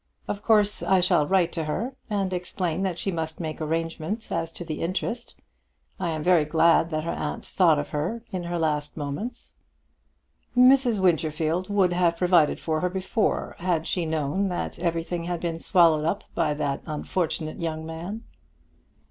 "Of course I shall write to her, and explain that she must make arrangements as to the interest. I am very glad that her aunt thought of her in her last moments." "Mrs. Winterfield would have provided for her before, had she known that everything had been swallowed up by that unfortunate young man."